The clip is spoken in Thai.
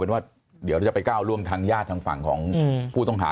เป็นว่าเดี๋ยวจะไปก้าวร่วมทางญาติทางฝั่งของผู้ต้องหา